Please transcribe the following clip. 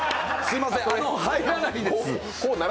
入らないです。